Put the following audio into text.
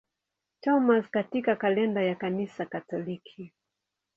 Thomas katika kalenda ya Kanisa Katoliki.